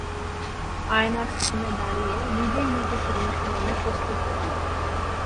আয়নার সামনে দাঁড়িয়ে নিজেই নিজেকে অনুশীলনে প্রস্তুত করলেন।